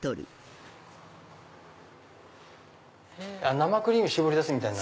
生クリーム搾り出すみたいな。